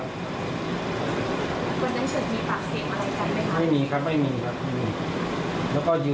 ไม่มีครับไม่มีครับไม่มีแล้วก็ยืนหั่นกันประมาณห้าหกเดี๋ยว